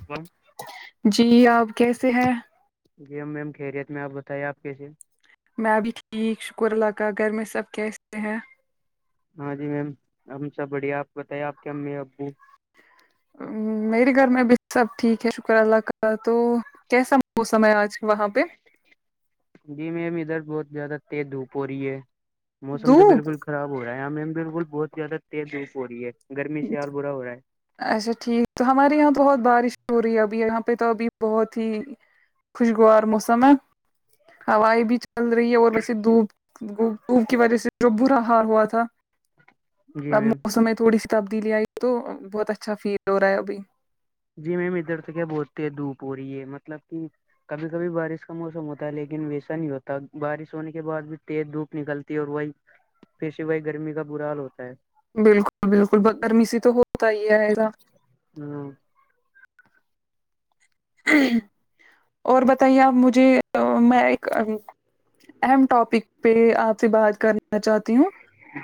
[unintelligible] جی آپ کیسے ہے جی ہم میم خیریت میں آپ بتائیے آپ کیسے میں بھی ٹھیک شکر اللہ کا گھر میں سب کیسے ہیں ہاں جی میم ہم سب بڑھیا آپ بتائیے آپ کے امی ابو میرے گھر میں ا بھی سب ٹھیک ہے شکر اللہ کا تو کیسا موسم ہے آج وہاں پہ جی میم ادھر بہت زیادہ تیز دھوپ ہو رہی ہے موسم تو دھوپ بالکل خراب ہو رہا ہے آ ہمیں بالکل بہت زیادہ تیز اوپ ہو رہی ہے گرمی سے ہال برا ہو رہا ہے اچھا ٹھیک تو ہمارے یہاں تو بہت بارش ہو رہی ہے ابھی یہاں پہ تو ابھی بہت ہی خوشگوار موسم ہے ہوائیں بھی چل رہی ہے اور ویسے دھوپ ب کی وجہ سے جو برا حال ہوا تھا ہے جی اب میم موسم میں تھوڑی سی تبدیلی آئی تو بہت اچھا فیل ہو رہا ہے ابھی جی میم ادھر تو کیا بولتے ہیں دھوپ ہو رہی ہے مطلب کہ کبھی کبھی بارش کا موسم ہوتا ہے لیکن ویسا نہیں ہوتا بارش ہونے کے بعد بھی تیز دھوپ نکلتی اور وہی پھر سے وہی گرمی کا برا حال ہوتا ہے بالکل بالکل گرمی سے تو ہوتا ہی ہے ہے گا ہوں اور بتائیے آپ مجھے میں ایک اہم ٹاپک پہ آپ سے بات کرنا چاہتی ہوں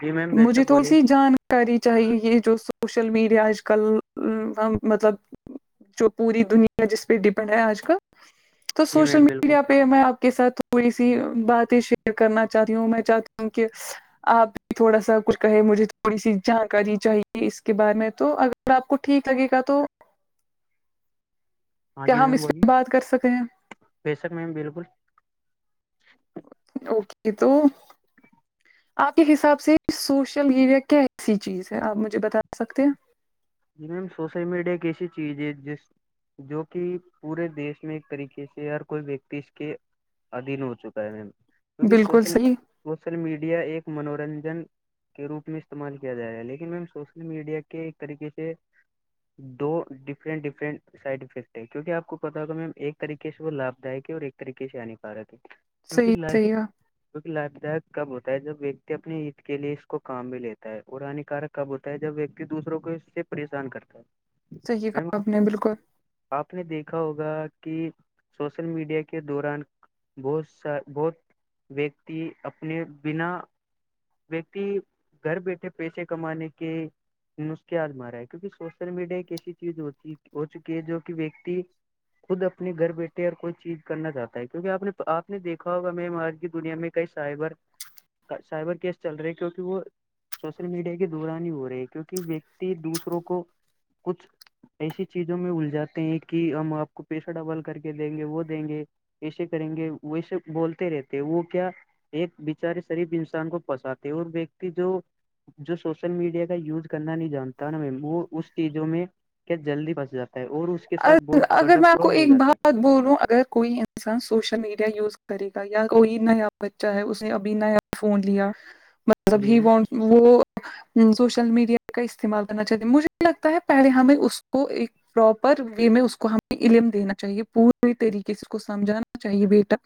جی میم بے مجھے شک تھوڑی بولیے سی جان کری چاہیے یہ جو سوشل میڈیا آج کل مطلب جو پوری دنیا جس پہ ڈیپینڈ ہے آج کل تو جی سوشل میم بالکل میڈیا پہ میں آپ کے ساتھ تھوڑی سی باتیں شیئر کرنا چاہتی ہوں میں چاہتی ہوں کہ آپ بھی تھوڑا سا کچھ کہے مجھے تھوڑی سی جانکاری چاہیے اس کے بارے میں تو اگر ا آپ کو ٹھیک لگے گا تو ہاں کیا جی ہم میم اس بولیے پہ بات کر سکتے ہیں بے شک میم بالکل اوکے تو آپ کے حساب سے سوشل میڈیا کی ایسی چیز ہے آپ مجھے بتا سکتے ہیں جی میم سوشل میڈیا کی ایسی چیز ہے جس جو کہ پورے دیش میں ایک طریقے سے ہر کوئی ویکتی اس کے ادھیین ہو چکا ہے کیکہ بالکل صحیح سوشل میڈیا ایک منورنجن کے روپ میں استعمال کیا جا رہا ہے لیکن میم سوشل میڈیا کے ایک طریقے سے دو ڈفرنٹ ڈفرنٹ سائڈ افیکٹ ہے کیوںک آپ کو پتا ہوگا میم ایک طریقے سے وہ لابھ دائک ہے اور ایک طریقے سے ہانیکارک ہے کٹ صحیح ل [inaudible] صحیح ک لابھداک کب ہوتا ہے جب ویکتی اپنے ہت کے لیے اس کو کام بھی لیتا ہے اور ہانیکارک کب ہوتا ہے جب ویکتی دوسروں کو اس سے پریشان کرتا ہے صحیح میم کہا آپ نے بالکل آپ نے دیکھا ہوگا کہ سوشل میڈیا کے دوران بہت س بہت ویکتی اپنے بنا ویکتی گھر بیٹھے پیسے کمانے کے نسخے حات مارا ہے کیونکہ سوشل میڈیا ایک ایسی چیز ہوتی ہو چکی ہے جو کہ ویکتی خود اپنے گھر بیٹھے اور کوئی چیز کرنا چاہتا ہے کیونکہ آپ آپ نے دیکھا ہوگا میں آج کی دنیا میں ک سائبر سائبر کیس چل رہے کیونکہ وہ سوشل میڈیا کے دوران ہی ہو رہے ہے کیونکہ ویکتی دوسروں کو کچھ ایسی چیزوں میں اللجاتے ہیں کہ ہم آپ کو پیسہ ڈبل کر کے دیں گے وہ دیں گے ایسے کریں گے ویسے بولتے رہتے وہ کیا ایک بچارے شریف انسان کو بساتتے وہ وتی جو جو سوشل میڈیا کا یوز کرنا نہیں جانتا نا میں وہ اس چیزوں میں جلدی پنس جاتا ہے اور اس کے ساتھ بہت اگر بڑا میں آپ کو فراڈ ہو ایک جاتا ہے بات بول رہوں اگر کوئی انسان سوشل میڈیا یوز کرے گا یا کوئی نیا بچہ ہے اس نے ابھی نیا فون لیا [inaudible] سبھی وہ سوشل میڈیا کا استعمال کرنا چاہتے مجھے لگتا ہے پہلے ہمیں اس کو ایک پر و میں اس کو ہمیں علم دینا چاہیے پوری طریقے سے اس کو سمجھانا چاہیے بیٹا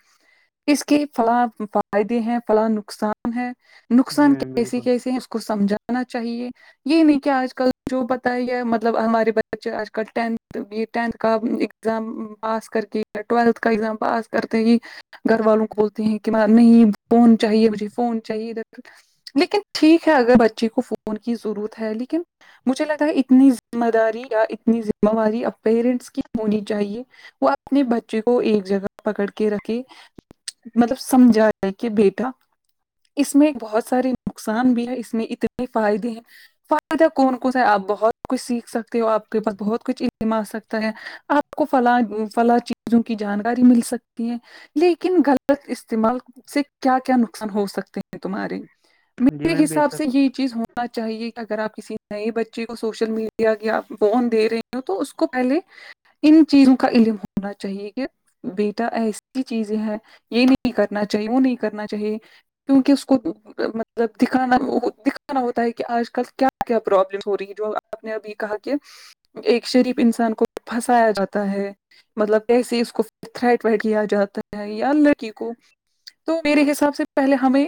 اس کے فلاں فائدے ہیں فلاں نقصان ہے جی نقصان میم کیسی بالکل کیسی ہیں اس کو سمجھا نا چاہیے یہ نہیں کہ آج کل جو پت ہی ہے مطلب ہمارے بچے آج کل ٹینھ یہ ٹینتھ کا ایگزام پاس کر کے ٹویلتھ کا ایگزام پاس کرتے ہی گھر والوں کو بولتے ہیں کہ نہیں فون چاہیے مجھے فون چاہیے ادھر لیکن ٹھیک ہے اگر بچے کو فون کی ضرورت ہے لیکن مجھے لگتا ہے اتنی ذمہ داری یا اتنی ذمہ داری اب پیرنٹس کی ہونی چاہیے وہ اپنے بچے کو ایک جگہ پکڑ کے رکھے مطلب سمجھاائے کہ بیٹا اس میں بہت سارے نقصان بھی ہے اس میں اتنے فائدے ہیں فائدہ کون کون ہے آپ بہت کچھ سیکھ سکتے ہو آپ کے پاس بہت کچھ عم آ سکتا ہے آپ کو فلاں فلاں چیز جو کی جانکاری مل سکتی ہے لیکن غلط استعمال سے کیا کیا نقصان ہو سکتے ہیں تمہارے جی میرے میم بے حساب شک سے یہ چیز ہونا چاہیے کہ اگر آپ کسی نئے بچے کو سوشل میڈیا آپ بون دے رہے ہیں تو اس کو پہلے ان چیزوں کا علم ہونا چاہیے کہ بیٹا ایسی چیزیں ہے یہ نہیں کرنا چاہیے وہ نہیں کرنا چاہیے کیونکہ اس کو مطلب دکھانا دکھانا ہوتا ہے کہ آج کل کیا کیا پرابلم ہو رہی ہے جو آپ نے اب یہ کہا کہ ایک شریف انسان کو پھنسایا جاتا ہے مطلب کیسے اس کو تھریٹ ویٹ کیا جاتا ہے یا لڑکی کو تو میرے حساب سے پہلے ہمیں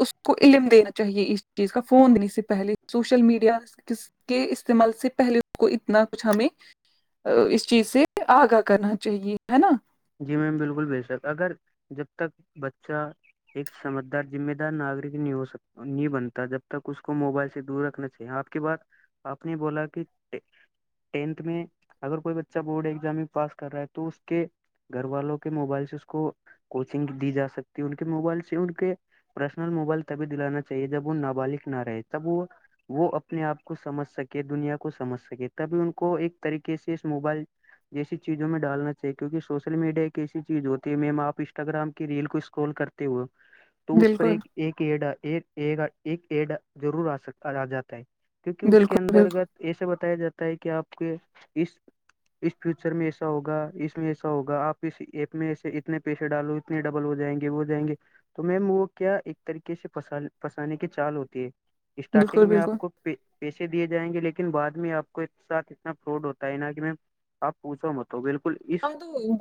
اس کو علم دینا چاہیے اس چیز کا فون دینے سے پہلے سوشل میڈیا ک کے استعمال سے پہلے کو ا اتنا کچھ ہمیں اس چیز سے آگاہ کرنا چاہیے ہے نا جی میم بالکل بے شک اگر جب تک بچہ ایک سمجھدار ذمہ دار ناگرک نہیں ہوک نہیں بنتا جب تک اس کو موبائل سے دور رکھنا آپ کی بات آپ نے بولا کہ ٹینتھ میں اگر کوئی بچہ بورڈ ایگزام میں پاس کر رہا ہے تو اس کے گھر والوں کے موبائل سے اس کو کوچنگ دی جا سکتی ہے ان کے موبائل سے ان کے پرسنل موبائل تبھی دلانا چاہیے جب وہ نابالغ نہ رہے تب وہ وہ اپنے آپ کو سمجھ سکے دنیا کو سمجھ سکے تبھی ان کو ایک طریقے سے اس موبائل جیسی چیزوں میں ڈالنا چاہیے کیکہ سوشل میڈیا ایک ایسی چیز ہوتی ہے میم آپ انسٹاگرام کی ریل کو اسکرول کرتے ہو تو اس پر بالکل ایک ایک ایڈا ایک ایڈا ضرور آ آ جاتا ہے کیونکہ اس کے بالکل بالکل انترگت ایسا بتایا جاتا ہے کہ آپ کے اس اس فیوچر میں ایسا ہوگا اس میں ایسا ایا ہوا آپ اس ایپ میں سے اتنے پیسے ڈالو اتنے ڈبل ہو جائیں گے وہ جائیں گے تو میم وہ کیا ایک طریقے سے پسانے کی چال ہوتی ہے بالکل اسٹارٹنگ میں بالکل آپ کو پیسے دیے جائیں گے لیکن بعد میں آپ کو ایک ساتھ اتنا فراڈ ہوتا ہے نا کہ م آپ پوچھو مت بالکل اس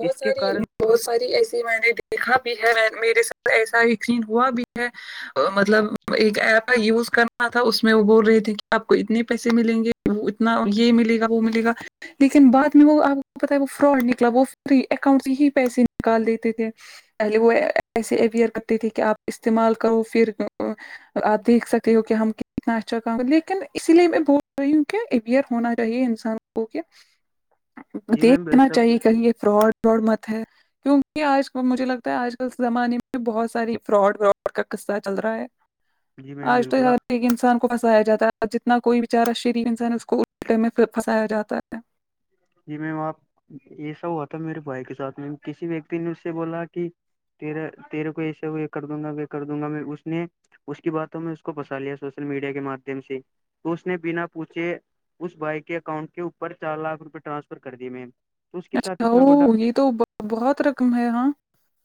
اس کے سر کارن بہت ساری ایسی میں نے دیکھا بھی ہے میرے ساتھ ایسا یقین ہوا بھی ہے مطلب ایک ایپ ہے یز کرنا تھا اس میں وہ بول رہے تھے کہ آپ کو اتنے پیسے ملیں گے وہ اتنا یہ ملے گا وہ ملے گا لیکن بعد میں وہ آپ کو پتا ہے وہ فراڈ نکلا وہ پ اکاؤنٹ سے ہی پیسے نکال دیتے تھے پہلے وہ ایسے اویئر کرتے تھے کہ آپ استعمال کرو پھر آپ دیکھ سکتے ہو کہ ہم کتنا اچھا کہ لیکن اسی لیے میں بول رہی ہوں کہ وئر ہونا چاہیے انسان کو کہ جی میم ب دیکھنا سب یہ چاہیے کہیے فراڈ وڈ مت ہے کیونکہ آج ک مجھے لگتا ہے آج کل زمانے میں بہت ساری فراڈ براڈ کا قصہ چل رہا ہے جی میم آج تو بالکل آپ ایک انسان کو پنسایا جاتا ہے جتنا کوئی بچارا شریف انسان ہے اس کو الٹے میں پنسایا جاتا ہے جی میم آپ یہ سب ہوا تھا میرے بھائی کے ساتھ میم کسی ویکتی نے اس سے بولا کہ تیرا تیرے کو ایسے یہ کر دوں گا وہ کر دوں گا میں اس نے اس کی باتوں میں اس کو پنسا لیا سوشل میڈیا کے مادھیم سے تو اس نے بنا پوچھے اس بھائی کے اکاؤنٹ کے اوپر چار لاکھ روپئے ٹرانسفر کر دیے میم تو اس کے ساتھ اچھا اتنا بڑا وہ یہ تو بہت رقم ہے ہاں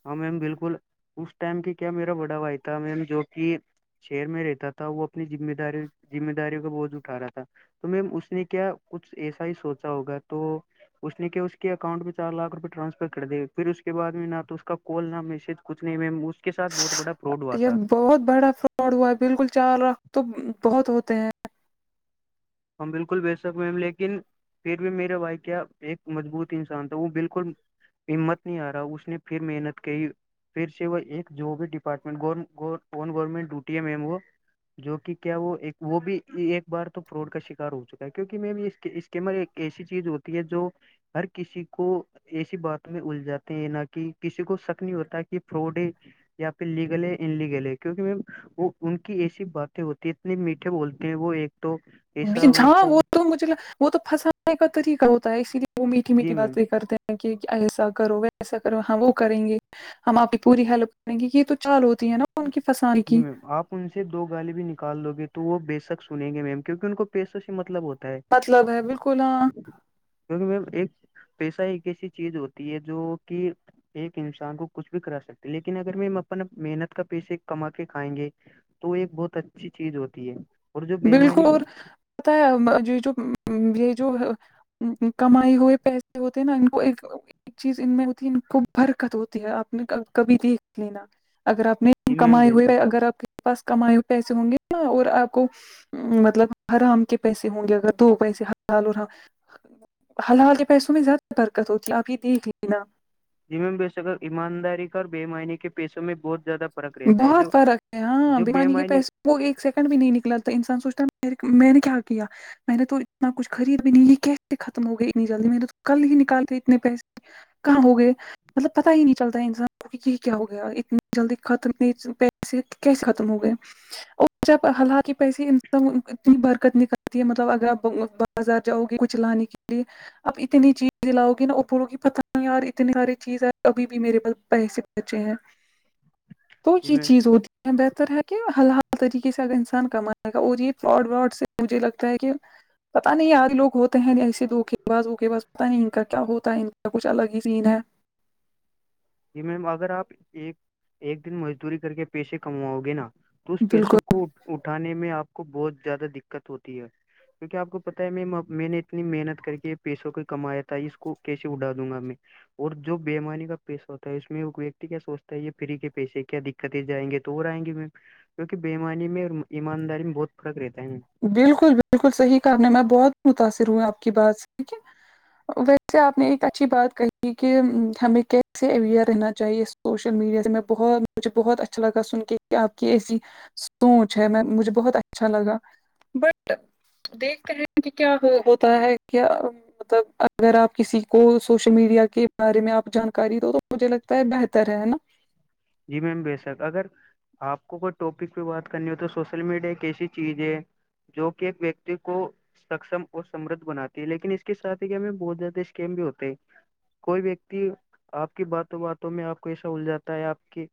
ہاں میم بالکل اس ٹائم کی کیا میرا بڑا بھائی تھا میم جو کہ شہر میں رہتا تھا وہ اپنی ذمہ داری ذمہ داریوں کا بوجھ اٹھ رہا تھا تو میم اس نے کیا کچھ ایسا ہی سوچا ہوگا تو اس نے کیا اس کے اکاؤنٹ میں چار لاکھ روپئے ٹرانسفر کر دیئے پھر اس کے بع میں نہ تو اس کا کال نہ میسج کچھ نہیں میم اس کے سھ بہت بڑا پراؤڈ ہوا یہ تھا بہت بڑا فراڈ ہوا بالکل چار رخت تو بہت ہوتے ہیں ہمم بالکل بے شک میم لیکن پھر بھی میرے بھائی کیا ایک مضبوط انسان تھا وہ بالکل ہمت نہیں آ رہا اس نے پھر محنت کہ پھر سے وہ ایک جو بھی ڈپارٹمنٹ گورنمٹ ڈوٹی ہے وہ جو کہ کیا وہ ایک وہ بھی ایک بار تو فروڈ کا شکار ہو چکا ہے کیونکہ میں اسکمر ایک ایسی چیز ہوتی ہے جو ہر کسی کو ایسی بات میں الجھاتے ہیں نہ کہ کسی کو شک نہیں ہوتا کہ فراڈ یا پھر لیگل ہےیا ان لیگل ہے کیونکہ وہ ان کی ایسی باتیں ہوتی اتنے میٹھے بولتے ہیں وہ ایک تو ایسا جاں ویسا وہ تو مجھے وہ تو پھنسانے کا طریقہ ہوتا ہے اسی لیے وہ میٹھی جی میٹھی میم باتیں کرتے کہ ایسا کرو ویسا کرو ہاں وہ کریں گے ہم آپ کی پوری ہیلپ کریں گے یہ تو چال ہوتی ہے نا ان کی فسان جی میم آپ ان سے دو گالی بھی نکال دوو گے تو وہ بے شک سنیں گے میم کیونکہ ان کو پیسوں سے مطلب ہوتا ہے مطلب ہے بالکل ہاں کیونکہ میم ایک پیسہ ایک ایسی چیز ہوتی ہے جو کہ ایک انسان کو کچھ بھی کرا سکتے لیکن اگر میں اپنا محنت کا پیشے کما کے کھائیں گے تو ایک بہت اچھی چیز ہوتی ہے اور جو بالکل بےمانی اور پتا ہے یہ جو یہ جو کمائے ہوئے پیسے ہوتے نا ان کو ایک ایک چیز ان میں ہوتی ہے کو برکت ہوتی ہے آپ نے کبھی دیکھ لینا اگر آپ نے جی میم کمائے بے شک ہوئے اگر آپ کے پاس کمائے ہوئے پیسے ہوں گے ن اور آپ کو مطلب حرام کے پیسے ہوں گے اگر دو پیسے حلال حلال کے پیسوں میں زیادہ برکت ہوتی ہے آپ یہ دیکھ لینا جی میم بے بشک ایمانداری اور بے ایمانی کے پیسوں میں بہت زیادہ فرق رہتا ہے بہت جو فرق ہے ہاں جو بیمانی کے بےمعنی پیسے وہ ایک سیکنڈ بھی نہیں نکلا تھا انسان سوچتا میں نے کیا کیا میں نے تو اتنا کچھ خرید بھی نہیں کیسے ختم ہو گئی اتنی جلدی میں نے تو کل ہی نہیں نکالتے اتنے پیسے کہاں ہو گئے مطلب پتاہ ہی نہیں چلتا انسان کو یہ کیا ہو گیا اتنی جلدی ختم نہیں پیسے کیسے ختم ہو گئے اور جب حالانکہ پیس اتنی برکت نکلتی ہے مطلب اگر بازار جاؤ گے کچھ لانے کے لیے اپ اتنی چیز لاؤ گی نا اپولو گی پت نہیں یار اتنی ساری چیز اب بھی میرے پا پیسے ے ہیں تو جی یہ میم چیز ہوتی ہے بہتر ہے کہ حل حال طریقے سے اگر انسان کمائے گا اور یہ فراڈ واڈ سے مجھے لگتا ہے کہ پتا نہیں آدے لوگ ہوتے ہیں ایسے دکھے بس بوک بس پتا نہیں ان کا کیا ہوتا ہے ان کا کچھ الگ ہی سین ہے ج میم اگر آپ ایک ایک دن مزدوری کر کے پیسے کماؤ گے نا تو اس پیسوں بالکل کو اٹھانے میں آپ کو بہت زیادہ دقت ہوتی ہے کیوںکہ آپ کو پتا ہے میں میں نے اتنی محنت کر کے پیسوں کو کمایا تھا اس کو کیسے اڑا دوں گا میں اور جو بے ایمانی کا پیش ہوتا ہے اس میں وہ ویکتی کیا سوچتا ہے یہ فری کے پیسے کیا دقتیں جائیں گے تو ہو آئیں گے کیونکہ بے ایمانی میں اور ایمانداری میں بہت فرق رہتا ہے بالکل بالکل صحیح کرنا میں بہت متاثر ہو آپ کی بات سے کہ ویسے آپ نے ایک اچھی بات کہی کہ ہمیں کیسے اویئر رہنا چاہیے اس سوشل میڈیا سے میں بہت مجھے بہت اچھا لگا سن کے آپ کی ایسی ستو چھ میں مجھے بہت اچھا لگا بٹ [inaudible] دیکھتے ہیں کہ کیا ہوتا ہے کیا مطلب اگر آپ کسی کو سوشل میڈیا کے بارے میں آپ جانکاری دو تو مجھے لگتا ہے بہتر ہے نا جی میم بے شک اگر آپ کو ا کوئی ٹاپک پہ بات کرنی ہو تو سوشل میڈیا کیسی چیز ہے جو کہ ایک ویکتی کو سکشم اور سمردھ بناتی ہے لیکن اس کے ساتھ ہی کہ ہم بہت زیادہ اسکیم بھی ہوتے ہیں کوئی ویکتی آپ کی باتوں باتوں میں آپ کو ایسا الجاتا ہے آپ کے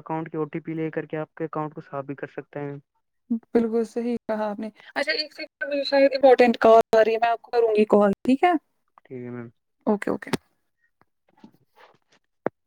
اکاؤنٹ کی او ٹی پی لے کر کے آپ کے اکاؤنٹ کو صاف بھی کر سکتا ہیں بالکل صحی کہا آپ نے اچھا مٹٹ کال میںپ کو کروں گی کال ٹھیک ہے ٹھیک ہے میم اوکے اوکے [unintelligible]